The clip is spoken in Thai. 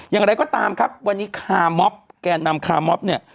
อย่างไรก็ตามครับวันนี้คาร์มอบแก่นำคามอบเนี่ย